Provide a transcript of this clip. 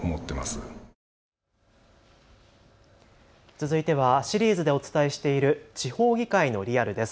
続いてはシリーズでお伝えしている地方議会のリアルです。